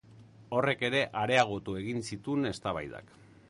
Horrek ere areagotu egin zituen eztabaidak.